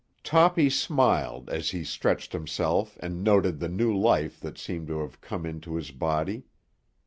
Toppy smiled as he stretched himself and noted the new life that seemed to have come into his body.